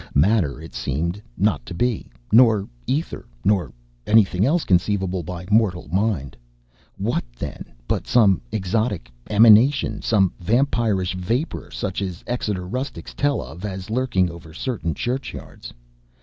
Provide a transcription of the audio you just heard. Matter it seemed not to be, nor ether, nor anything else conceivable by mortal mind. What, then, but some exotic emanation; some vampirish vapor such as Exeter rustics tell of as lurking over certain churchyards?